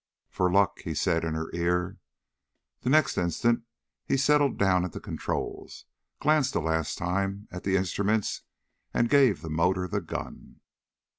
"For luck," he said in her ear. The next instant he settled down at the controls, glanced a last time at the instruments, and gave the motor the gun.